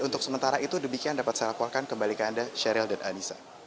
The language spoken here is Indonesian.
untuk sementara itu demikian dapat saya laporkan kembali ke anda sheryl dan anissa